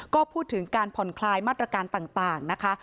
ก็พูดถึงการผ่อนคลายมาตรการต่างนะคะ